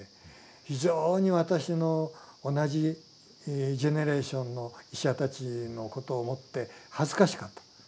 非常に私の同じジェネレーションの医者たちのことを思って恥ずかしかった。